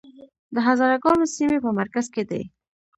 د هزاره ګانو سیمې په مرکز کې دي